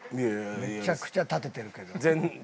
めちゃくちゃ立ててるけど。